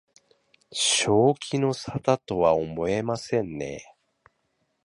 正気の沙汰とは思えませんね